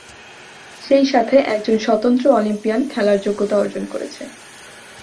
সেই সাথে একজন স্বতন্ত্র অলিম্পিয়ান খেলার যোগ্যতা অর্জন করেছে।